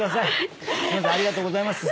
ありがとうございます。